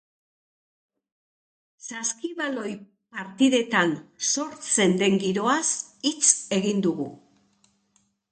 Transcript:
Saskibaloi partidetan sortzen den giroaz hitz egin dugu.